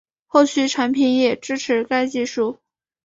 后续产品也支持该技术